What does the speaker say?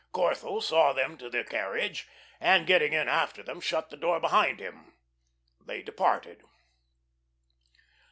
Corthell saw them to the carriage, and getting in after them shut the door behind him. They departed.